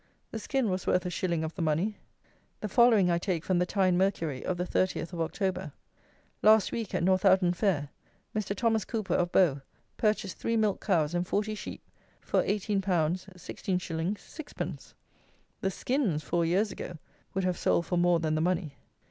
The skin was worth a shilling of the money! The following I take from the Tyne Mercury of the 30th of October. "Last week, at Northawton fair, Mr. Thomas Cooper, of Bow, purchased three milch cows and forty sheep, for 18_l._ 16_s._ 6_d._!" The skins, four years ago, would have sold for more than the money.